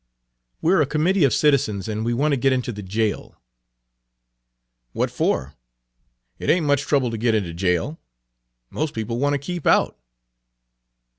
"We're a committee of citizens and we want to get into the jail." "What for? It ain't much trouble to get into jail. Most people want to keep out."